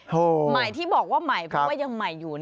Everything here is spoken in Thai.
ใหม่ที่บอกว่าใหม่เพราะว่ายังใหม่อยู่